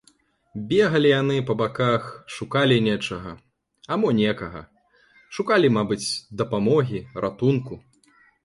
Бегалі яны па баках, шукалі нечага, а мо некага, шукалі, мабыць, дапамогі, ратунку.